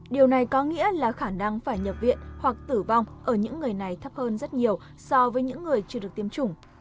điều này có nghĩa là khả năng phải nhập viện hoặc tử vong ở những người này thấp hơn rất nhiều so với những người chưa được tiêm chủng